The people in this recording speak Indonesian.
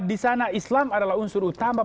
di sana islam adalah unsur utama